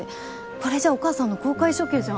これじゃお母さんの公開処刑じゃん。